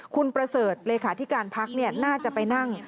คุณประเสริฐเลขาธิการพักน่าจะไปนั่ง